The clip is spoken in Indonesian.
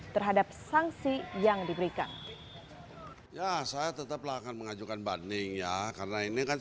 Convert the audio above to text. terhadap sangsi yang diberikan